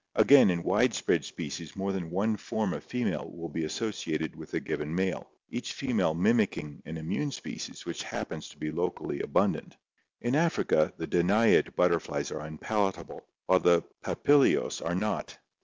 Again in widespread species more than one form of fe male will be associated with a given male, each female mimicking an immune species which happens to be locally abundant. In Africa the Danaid butterflies are unpalatable, while the Papilios are not.